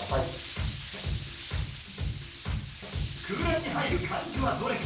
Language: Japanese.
空欄に入る漢字はどれか？